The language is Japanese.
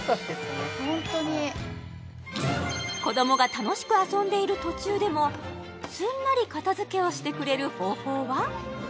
本当に子どもが楽しく遊んでいる途中でもすんなり片付けをしてくれる方法は？